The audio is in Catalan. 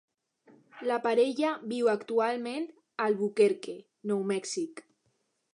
La parella viu actualment a Albuquerque, Nou Mèxic.